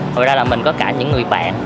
hồi ra là mình có cả những người bạn